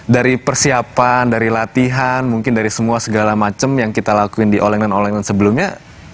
dari persiapan dari latihan mungkin dari semua segala macam yang kita lakuin di all england all england sebelumnya